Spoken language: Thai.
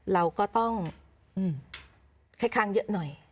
เราก็ต้องให้ข้างเยอะหน่อย